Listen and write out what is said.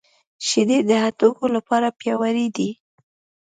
شیدې د هډوکو لپاره پياوړې دي